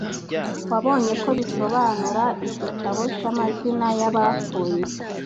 wabonye ko bisobanura igitabo cy’amazina y’abapfuye